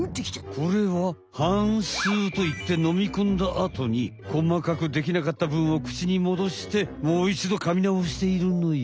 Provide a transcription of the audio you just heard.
これははんすうといって飲みこんだあとにこまかくできなかったぶんを口に戻してもういちど噛みなおしているのよ。